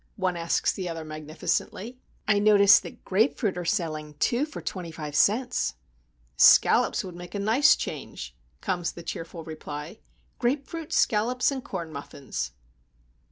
one asks the other magnificently. "I notice that grape fruit are selling two for twenty five cents." "Scallops would make a nice change," comes the cheerful reply. "Grape fruit, scallops, and corn muffins!"